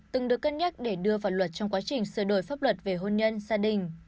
từng được cân nhắc để đưa vào luật trong quá trình sửa đổi pháp luật về hôn nhân gia đình